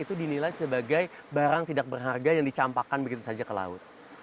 itu dinilai sebagai barang tidak berharga yang dicampakkan begitu saja ke laut